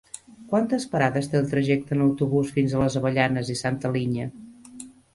Quantes parades té el trajecte en autobús fins a les Avellanes i Santa Linya?